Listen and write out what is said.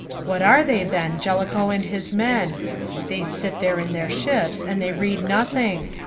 What are they, then, Jellicoe and his men? They sit there in their ships and they read nothing!